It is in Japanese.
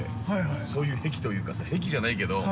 そういう癖というかさ癖じゃないけど。